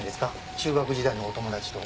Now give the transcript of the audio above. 中学時代のお友達と。